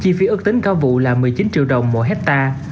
chi phí ước tính cao vụ là một mươi chín triệu đồng mỗi hectare